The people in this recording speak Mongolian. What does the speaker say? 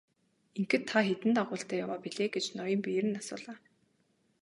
Ингэхэд та хэдэн дагуултай яваа билээ гэж ноён Берн асуулаа.